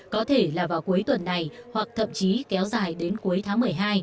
có thể là vào cuối tuần này hoặc thậm chí kéo dài đến cuối tháng một mươi hai